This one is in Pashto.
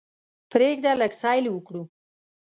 پریږده لږ سیل وکړو.